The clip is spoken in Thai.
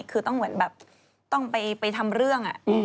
คือต้องเหมือนแบบต้องไปทำเรื่อง